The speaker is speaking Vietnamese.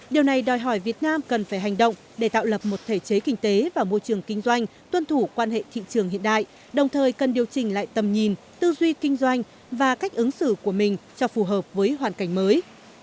điều này đòi hỏi việt nam cần phải hành động để tạo lập một thể chế kinh tế và môi trường kinh doanh tuân thủ quan hệ thị trường hiện đại đồng thời cần điều chỉnh lại tầm nhìn tư duy kinh doanh và cách ứng xử của mình cho phù hợp với hoàn cảnh mới